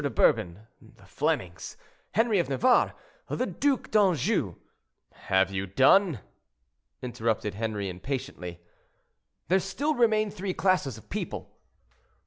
de Bourbon, the Flemings, Henry of Navarre, the Duc d'Anjou—" "Have you done?" interrupted Henri, impatiently. "There still remain three classes of people."